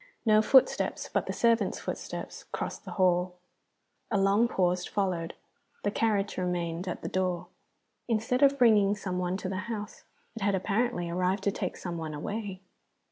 No footsteps but the servant's footsteps crossed the hall. Along pause followed, the carriage remaining at the door. Instead of bringing some one to the house, it had apparently arrived to take some one away.